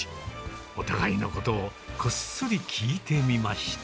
お互いのことをこっそり聞いてみました。